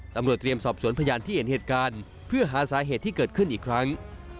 ตำรวจเตรียมสอบสวนพยานที่เห็นเหตุการณ์เพื่อหาสาเหตุที่เกิดขึ้นอีกครั้ง